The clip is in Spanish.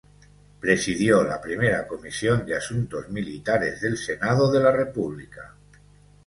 Presidió la Primera Comisión de Asuntos Militares del Senado de la República.